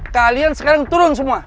kalian sekarang turun semua